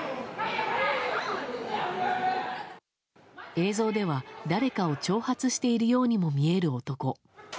映像では、誰かを挑発しているようにも見える男。